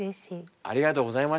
ありがとうございました本日は。